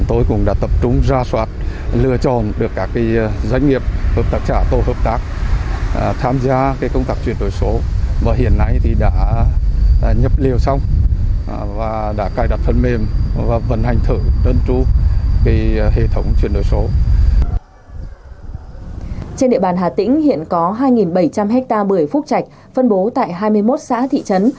trên địa bàn hà tĩnh hiện có hai bảy trăm linh ha bưởi phúc chạch phân bố tại hai mươi một xã thị trấn